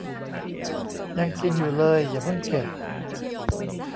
ยังกินอยู่เลย อย่าเพิ่งเก็บ